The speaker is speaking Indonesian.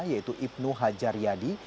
yaitu ibnu hajar yadi